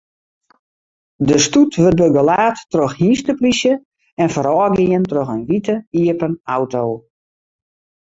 De stoet wurdt begelaat troch hynsteplysje en foarôfgien troch in wite iepen auto.